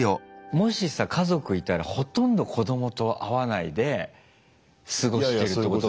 もしさ家族いたらほとんど子どもと会わないで過ごしてるってことで。